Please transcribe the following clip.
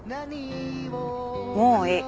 もういい。